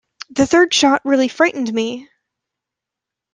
The third shot really frightened me!